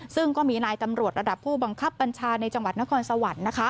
ซึ่งก็มีนายตำรวจระดับผู้บังคับบัญชาในจังหวัดนครสวรรค์